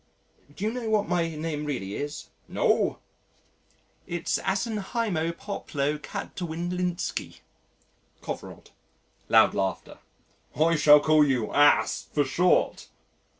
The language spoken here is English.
"Do you know what my name really is?" "No." "It's Assenheimopoplocatdwizlinsky Kovorod." (Loud laughter.) "I shall call you 'ass' for short."